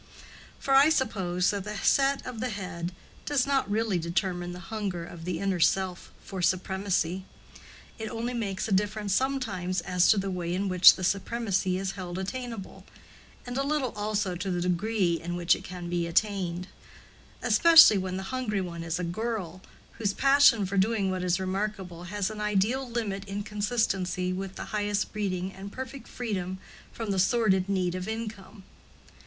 For I suppose that the set of the head does not really determine the hunger of the inner self for supremacy: it only makes a difference sometimes as to the way in which the supremacy is held attainable, and a little also to the degree in which it can be attained; especially when the hungry one is a girl, whose passion for doing what is remarkable has an ideal limit in consistency with the highest breeding and perfect freedom from the sordid need of income.